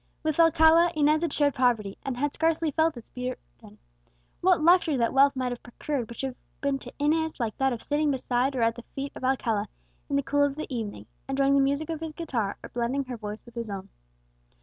With Alcala, Inez had shared poverty, and had scarcely felt its burden. What luxury that wealth might have procured would have been to Inez like that of sitting beside or at the feet of Alcala, in the cool of the evening, enjoying the music of his guitar, or blending her voice with his own?